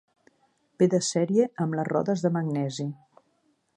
Ve de sèrie amb les rodes de magnesi.